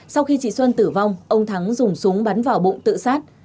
sau khi chị xuân tử vong ông thắng dùng súng bắn vào bụng tự sát